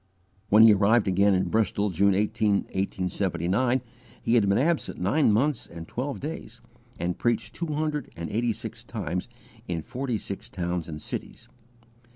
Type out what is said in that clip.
When he arrived again in Bristol, June 18, 1879, he had been absent nine months and twelve days, and preached two hundred and eighty six times and in forty six towns and cities.